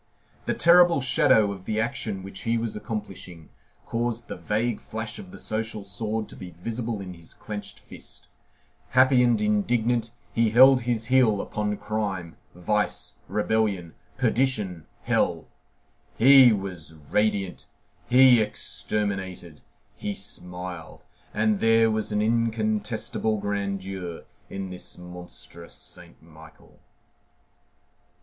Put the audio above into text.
The terrible shadow of the action which he was accomplishing caused the vague flash of the social sword to be visible in his clenched fist; happy and indignant, he held his heel upon crime, vice, rebellion, perdition, hell; he was radiant, he exterminated, he smiled, and there was an incontestable grandeur in this monstrous Saint Michael.